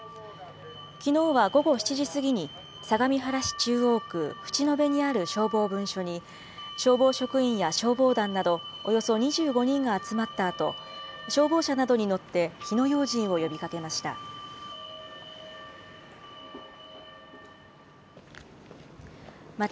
きのうは午後７時過ぎに、相模原市中央区淵野辺にある消防分署に、消防職員や消防団などおよそ２５人が集まったあと、消防車などに乗って火の用心を呼びかけました。